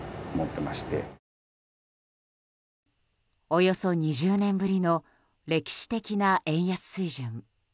およそ２０年ぶりの歴史的な円安水準。